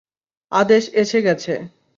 আদেশ এসে গেছে।